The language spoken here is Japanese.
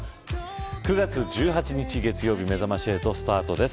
９月１８日月曜日めざまし８スタートです。